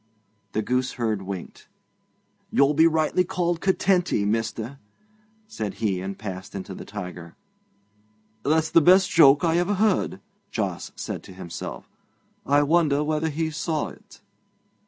The gooseherd winked. 'You be rightly called "Curtenty," mester,' said he, and passed into the Tiger. 'That's the best joke I ever heard,' Jos said to himself 'I wonder whether he saw it.'